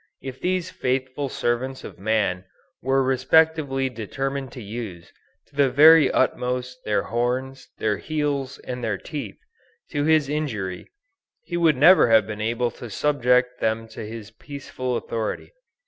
If these faithful servants of man were respectively determined to use, to the very utmost their horns, their heels and their teeth, to his injury, he would never have been able to subject them to his peaceful authority.